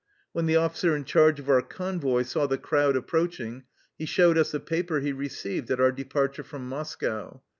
When the officer in charge of our convoy saw the crowd approaching he showed us a paper he received at our departure from Moscow.